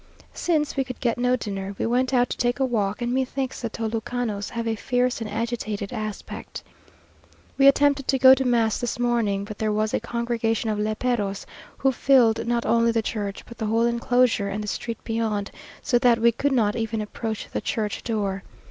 Since we could get no dinner, we went out to take a walk; and methinks the Tolucanos have a fierce and agitated aspect. We attempted to go to mass this morning, but there was a congregation of léperos, who filled not only the church, but the whole enclosure and the street beyond, so that we could not even approach the church door.